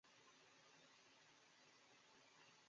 该物种的模式产地在芦之湖。